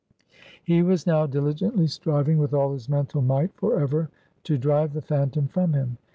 He was now diligently striving, with all his mental might, forever to drive the phantom from him.